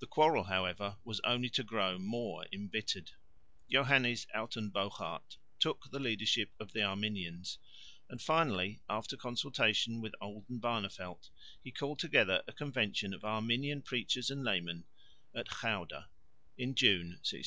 The quarrel, however, was only to grow more embittered. Johannes Uyttenbogaert took the leadership of the Arminians, and finally, after consultation with Oldenbarneveldt, he called together a convention of Arminian preachers and laymen at Gouda (June, 1610).